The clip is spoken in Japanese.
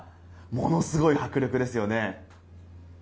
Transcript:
ものすごい迫力ですよね。